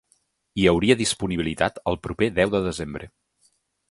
Hi hauria disponibilitat el proper deu de desembre.